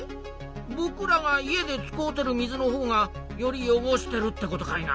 ぼくらが家で使うてる水のほうがより汚してるってことかいな。